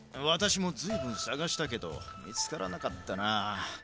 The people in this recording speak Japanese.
わたしもずいぶんさがしたけどみつからなかったな。